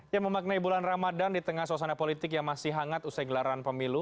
yang memaknai bulan ramadan di tengah suasana politik yang masih hangat usai gelaran pemilu